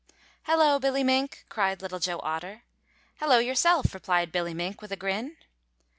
"Hello, Billy Mink," cried Little Joe Otter. "Hello yourself," replied Billy Mink, with a grin.